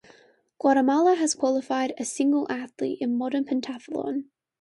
Guatemala has qualified a single athlete in modern pentathlon.